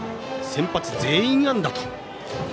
先発全員安打と。